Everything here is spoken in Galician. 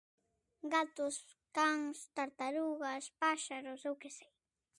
Gatos, cans, tartarugas, páxaros, eu que sei.